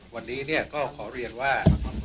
วันนี้ก็ขอเรียนว่า